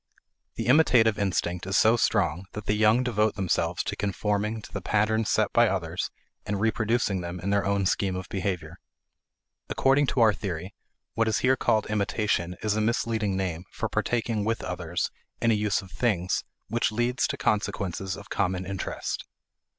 The imitative instinct is so strong that the young devote themselves to conforming to the patterns set by others and reproducing them in their own scheme of behavior. According to our theory, what is here called imitation is a misleading name for partaking with others in a use of things which leads to consequences of common interest.